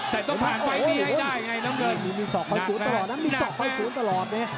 แต่ต้องผ่านไฟที่ให้ได้ไงน้ำเงินหนักแม่หนักแม่